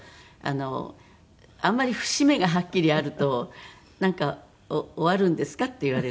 あんまり節目がはっきりあるとなんか「終わるんですか？」って言われて。